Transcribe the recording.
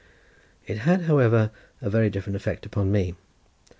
It had, however, a very different effect upon me.